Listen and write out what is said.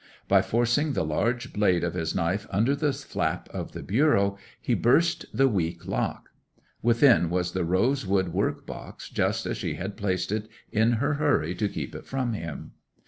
By forcing the large blade of his knife under the flap of the bureau, he burst the weak lock; within was the rosewood work box just as she had placed it in her hurry to keep it from him.